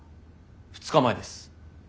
２日前です。